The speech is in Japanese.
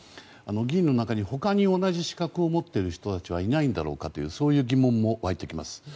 議員の中に他に同じ資格を持っている人はいないんだろうかという疑問も湧いてきます。